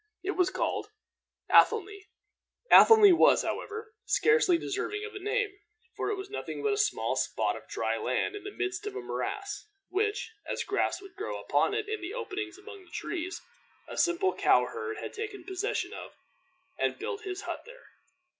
It was called Athelney. Athelney was, however, scarcely deserving of a name, for it was nothing but a small spot of dry land in the midst of a morass, which, as grass would grow upon it in the openings among the trees, a simple cow herd had taken possession of, and built his hut there.